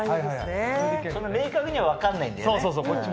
そんな明確には分かんないんだよね。